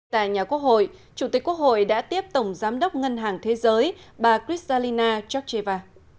tại nhà quốc hội chủ tịch quốc hội đã tiếp tổng giám đốc ngân hàng thế giới bà kristalina georgeva